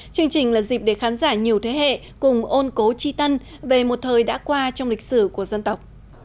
chương trình là dịp để khán giả nhiều thế hệ cùng ôn cố chi tân về một thời đã qua trong lịch sử của dân tộc